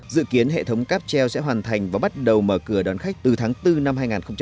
dự kiến hệ thống cáp treo sẽ hoàn thành và bắt đầu mở cửa đón khách từ tháng bốn năm hai nghìn hai mươi